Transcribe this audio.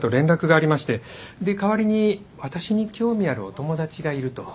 で代わりに私に興味あるお友達がいると。